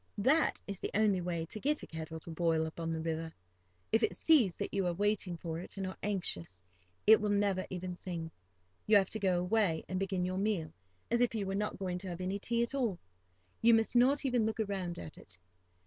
That is the only way to get a kettle to boil up the river. If it sees that you are waiting for it and are anxious, it will never even sing. You have to go away and begin your meal, as if you were not going to have any tea at all. You must not even look round at it.